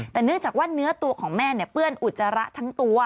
แต่เนื่องจากว่าเนื้อตัวของแม่เปื้อนอุจจาระทั้งตัว